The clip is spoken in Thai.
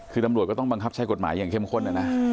คือตำรวจก็ต้องบังคับใช้กฎหมายอย่างเข้มข้นนะนะ